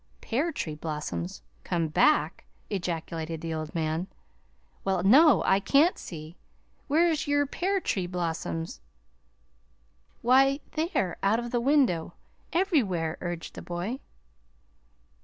"Pear tree blossoms come back!" ejaculated the old man. "Well, no, I can't see. Where's yer pear tree blossoms?" "Why, there out of the window everywhere," urged the boy.